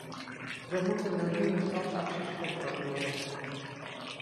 We moeten miljoenen transacties controleren.